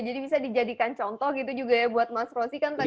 jadi bisa dijadikan contoh gitu juga ya buat mas rosi kan tadi